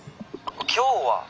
「今日は」？